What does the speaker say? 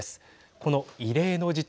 この異例の事態